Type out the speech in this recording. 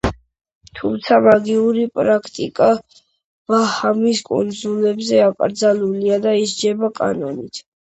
თუმცა, მაგიური პრაქტიკა ბაჰამის კუნძულებზე აკრძალულია და ისჯება კანონით.